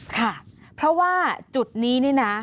ค่ะเพราะว่าจุดนี้นี่นะ